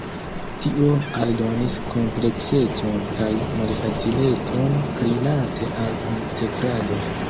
Tio aldonis kompleksecon kaj malfacilecon rilate al integrado.